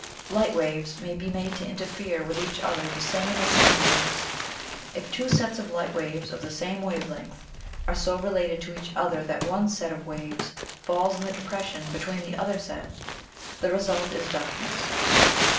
Light waves may be made to interfere with each other the same as sound waves. If two sets of light waves of the same wave length are so related to each other that one set of waves fall in the depression between the other set, the result is darkness.